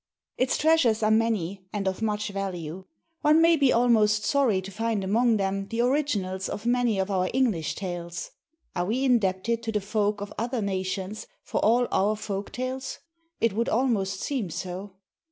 Its treasures are many, and of much value. One may be almost sorry to find among them the originals of many of our English tales. Are we indebted to the folk of other nations for all our folk tales? It would almost seem so.